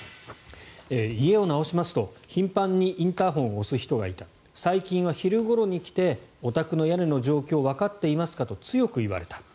家を直しますと、頻繁にインターホンを押す人がいた最近は昼ごろに来てお宅の屋根の状況わかっていますかと強く言われた。